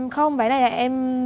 không váy này là em